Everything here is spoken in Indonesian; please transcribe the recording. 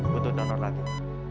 butuh donor lagi